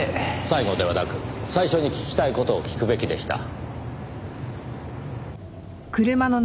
最後ではなく最初に聞きたい事を聞くべきでした。